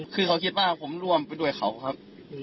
คือเขาคิดว่าผมร่วมไปด้วยเขาครับ